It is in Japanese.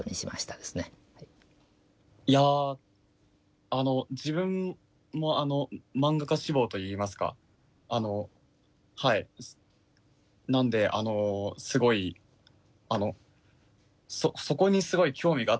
いやあの自分も漫画家志望といいますかあのはいなんであのすごいあのそこにすごい興味があったんですね。